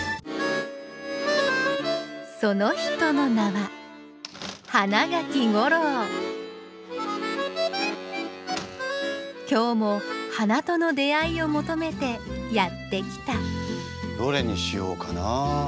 その人の名は今日も花との出会いを求めてやって来たどれにしようかな。